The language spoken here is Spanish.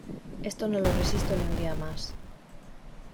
Esto no lo resisto ni un día más.